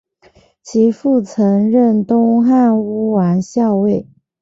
其父曾任东汉乌丸校尉。